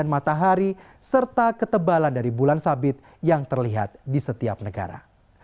matahari serta ketebalan dari bulan sabit yang terlihat di setiap negara